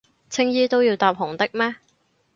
青衣都要搭紅的咩？